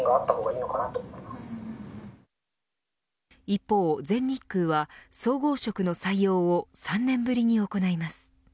一方、全日空は総合職の採用を３年ぶりに行います。